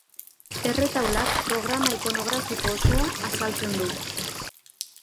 Erretaulak programa ikonografiko osoa azaltzen du.